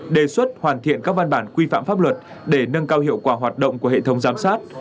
đề xuất hoàn thiện các văn bản quy phạm pháp luật để nâng cao hiệu quả hoạt động của hệ thống giám sát